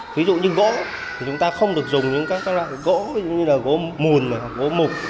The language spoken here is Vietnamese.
ví dụ như gỗ thì chúng ta không được dùng những các loại gỗ như là gỗ mùn gỗ mục